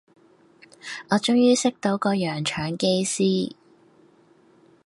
我終於識到個洋腸機師